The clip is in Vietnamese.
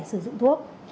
sử dụng thuốc